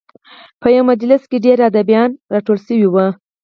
په یوه مجلس کې ډېر ادیبان راټول شوي وو.